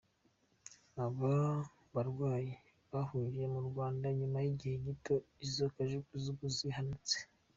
Aba barwanyi bahungiye mu Rwanda nyuma y’igihe gito izo kajugujugu zihanutse.